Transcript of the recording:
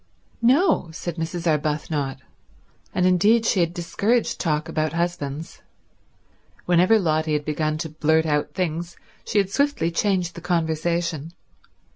"No," said Mrs. Arbuthnot; and indeed she had discouraged talk about husbands. Whenever Lotty had begun to blurt out things she had swiftly changed the conversation.